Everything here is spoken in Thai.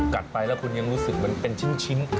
กัดไปแล้วคุณยังรู้สึกเหมือนเป็นชิ้น